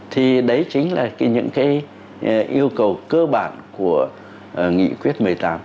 thì đấy chính là những cái yêu cầu cơ bản của nghị quyết một mươi tám